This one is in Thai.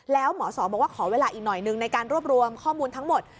แล้วหมอสอบอกว่าขอเวลาอีกหน่อยนึงในการรวบรวมข้อมูลทั้งหมด